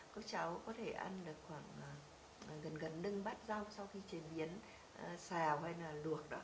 các cháu có thể ăn khoảng gần gần đưng bát rau sau khi chế biến xào hay là luộc đó